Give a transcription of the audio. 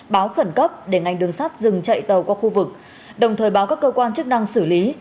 báo khẩn cấp để ngành đường sắt dừng chạy tàu qua khu vực đồng thời báo các cơ quan chức năng xử lý